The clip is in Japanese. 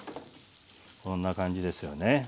こんな感じですよね。